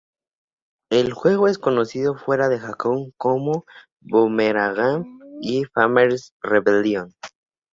El juego es conocido fuera de Japón como Boomerang y Farmers Rebellion.